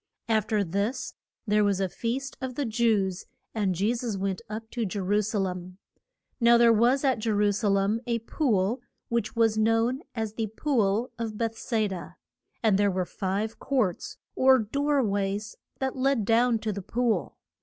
Af ter this there was a feast of the Jews, and Je sus went up to Je ru sa lem. Now there was at Je ru sa lem a pool, which was known as the Pool of Be thes da. And there were five courts, or door ways, that led down to the pool.